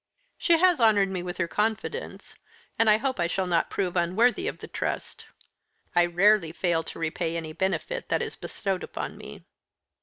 "She has honoured me with her confidence, and I hope I shall not prove unworthy of the trust. I rarely fail to repay any benefit that is bestowed upon me."